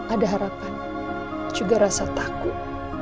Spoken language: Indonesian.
ada harapan juga rasa takut